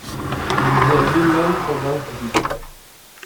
Il vient lui-même convaincre Judith.